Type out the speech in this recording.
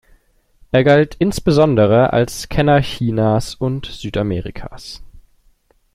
Er galt insbesondere als Kenner Chinas und Südamerikas.